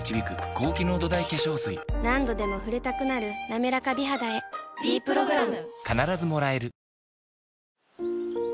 何度でも触れたくなる「なめらか美肌」へ「ｄプログラム」